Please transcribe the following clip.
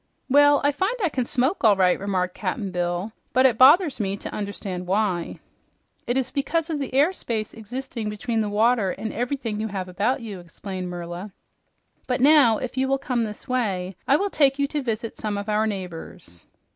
"Well, I find I can smoke, all right," remarked Cap'n Bill, "but it bothers me to understand why." "It is because of the air space existing between the water and everything you have about you," explained Merla. "But now, if you will come this way, I will take you to visit some of our neighbors."